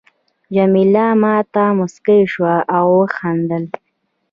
جميله ما ته مسکی شول او وخندل.